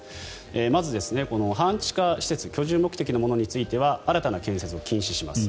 まず、半地下施設居住目的のものについては新たな建設を禁止します。